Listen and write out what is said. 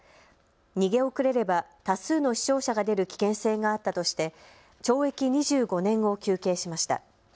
逃げ遅れれば多数の死傷者が出る危険性があったとして懲役２５年を求刑しました。